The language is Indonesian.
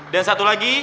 dan satu lagi